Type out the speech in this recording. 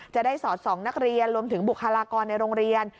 สอดส่องนักเรียนรวมถึงบุคลากรในโรงเรียน